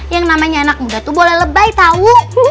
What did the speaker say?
yang namanya anak muda tuh boleh lebay tahu